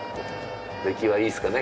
出来はいいですかね